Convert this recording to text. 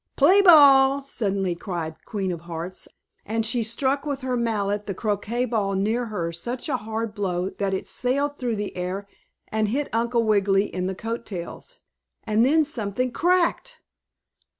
"Play ball!" suddenly cried the Queen of Hearts, and she struck with her mallet the croquet ball near her such a hard blow that it sailed through the air and hit Uncle Wiggily in the coat tails. And then something cracked.